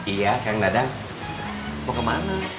iya kang dadang mau kemana